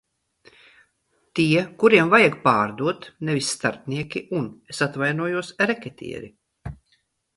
Tie, kuriem vajag pārdot, nevis starpnieki un, es atvainojos, reketieri.